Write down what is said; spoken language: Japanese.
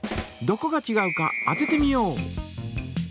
どこがちがうか当ててみよう！